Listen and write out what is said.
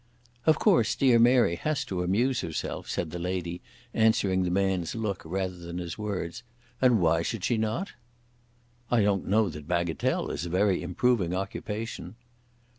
"Of course dear Mary has to amuse herself," said the lady, answering the man's look rather than his words. "And why should she not?" "I don't know that bagatelle is a very improving occupation."